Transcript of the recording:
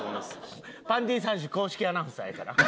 パンティ３種公式アナウンサーやから。